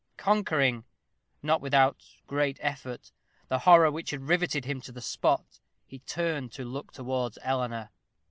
Conquering, not without great effort, the horror which had riveted him to the spot, he turned to look towards Eleanor.